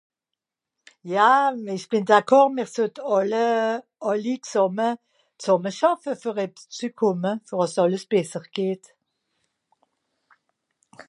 No kànn's mìr erscht rächt gfàlle do hüsse